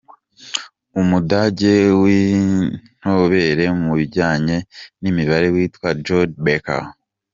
Umudage winzobere mu bijyanye nimibanire witwa Jörg Becker.